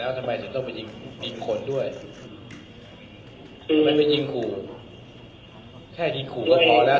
แล้วทำไมถึงต้องไปยิงยิงคนด้วยคือมันไปยิงขู่แค่ยิงขู่ก็พอแล้ว